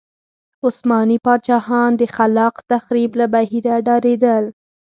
عثماني پاچاهان د خلاق تخریب له بهیره ډارېدل.